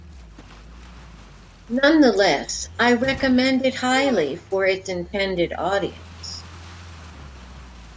Nonetheless, I recommend it highly for its intended audience.